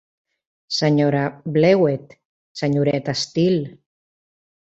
Senyora Blewett, senyoreta Steele.